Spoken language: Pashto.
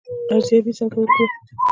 ارزیابي څنګه وکړو؟